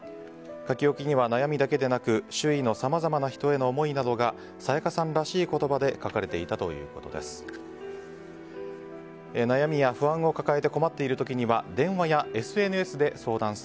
書き置きには悩みだけでなく周囲のさまざまな人への思いなどが沙也加さんらしい言葉で書かれていたということです。